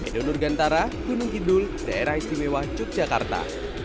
edo nurgantara gunung kidul daerah istimewa yogyakarta